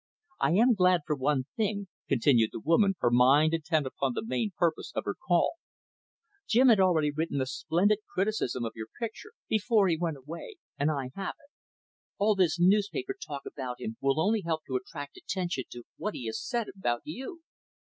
"I am glad for one thing," continued the woman, her mind intent upon the main purpose of her call. "Jim had already written a splendid criticism of your picture before he went away and I have it. All this newspaper talk about him will only help to attract attention to what he has said about _you.